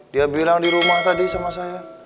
dia bilang di rumah tadi sama saya